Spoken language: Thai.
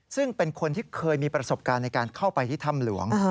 ซึ่งเป็นคนที่เคยมีประสบการณ์ในการเข้าไปที่ถ้ำหลวง